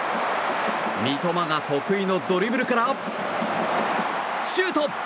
三笘が得意のドリブルからシュート！